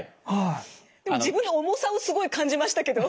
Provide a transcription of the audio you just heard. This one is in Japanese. でも自分の重さをすごい感じましたけど。